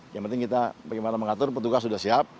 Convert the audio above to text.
yang penting kita bagaimana mengatur petugas sudah siap